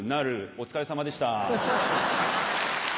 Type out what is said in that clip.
お疲れさまでした。